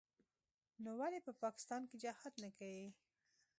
نو ولې په پاکستان کښې جهاد نه کيي.